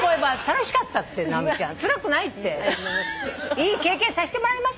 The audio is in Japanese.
いい経験さしてもらいましたよ。